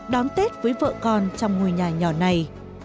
đón tết với vợ con trong ngôi nhà nhỏ này